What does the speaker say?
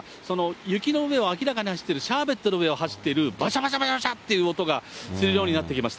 雪の上を明らかに走ってる、シャーベットの上を走ってるばしゃばしゃばしゃばしゃという音がするようになってきました。